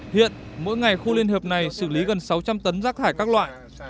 hiện mỗi ngày khu liên hợp này xử lý gần sáu trăm linh tấn rác thải các loại